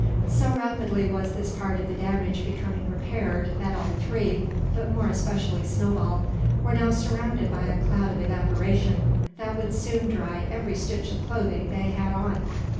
So rapidly was this part of the damage becoming repaired that all three, but more especially Snowball were now surrounded by a cloud of evaporation that would soon dry every stitch of clothing they had on.